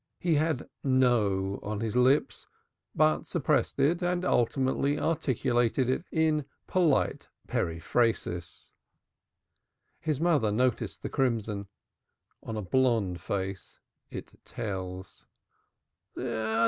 He had "No" on his lips, but suppressed it and ultimately articulated it in some polite periphrasis. His mother noticed the crimson. On a blonde face it tells.